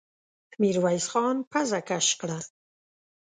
ميرويس خان پزه کش کړه.